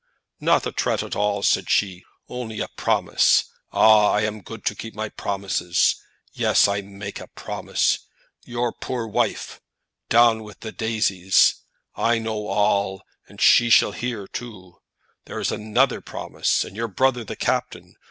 "Not a tret at all," said she; "only a promise. Ah, I am good to keep my promises! Yes, I make a promise. Your poor wife, down with the daises; I know all, and she shall hear too. That is another promise. And your brother, the captain.